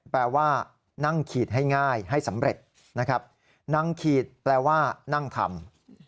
แปลว่านั่งขีดให้ง่ายให้สำเร็จนะครับนั่งขีดแปลว่านั่งทำ